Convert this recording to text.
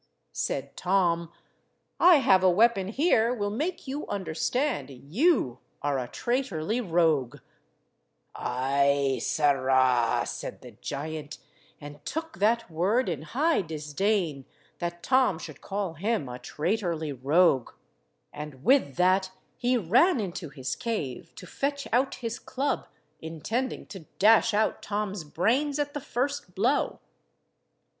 Said Tom— "I have a weapon here will make you understand you are a traitorly rogue." "Ay, sirrah," said the giant; and took that word in high disdain that Tom should call him a traitorly rogue, and with that he ran into his cave to fetch out his club, intending to dash out Tom's brains at the first blow.